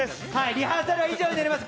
リハーサルは以上になります。